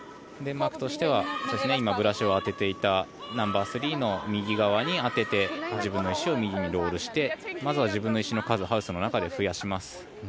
今、ブラシを当てていたナンバースリーの右側に当てて自分の石を右にロールしてまずは自分の石をハウスの中で増やします。